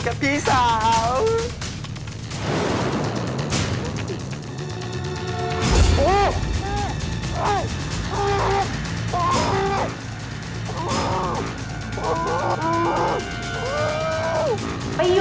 จัดเต็มให้เลย